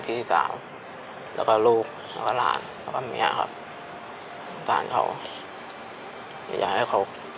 พี่ก็ต้องเป็นภาระของน้องของแม่อีกอย่างหนึ่ง